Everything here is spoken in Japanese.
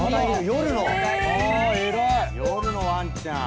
夜のワンちゃん。